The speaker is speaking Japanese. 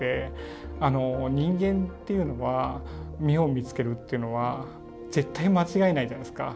人間っていうのは目を見つけるっていうのは絶対間違えないじゃないですか。